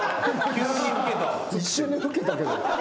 一瞬で老けたけど。